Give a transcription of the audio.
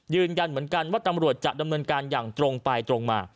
ยืนยันเหมือนกันว่าตำรวจจะดำเนินการอย่างตรงไปตรงมา